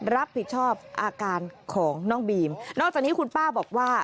รับผิดชอบอาการของน้องบีมนอกจากนี้คุณป้าบอกว่า